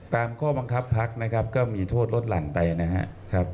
ข้อบังคับพักนะครับก็มีโทษลดหลั่นไปนะครับ